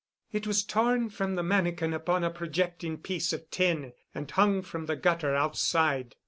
"It was torn from the mannikin upon a projecting piece of tin and hung from the gutter outside.